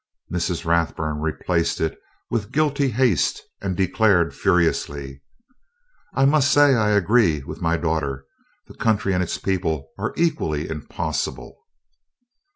Mrs. Rathburn replaced it with guilty haste, and declared furiously: "I must say I agree with my daughter the country and its people are equally impossible."